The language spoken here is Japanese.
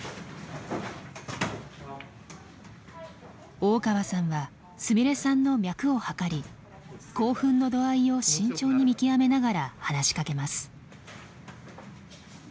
大川さんはすみれさんの脈を測り興奮の度合いを慎重に見極めながら話しかけます。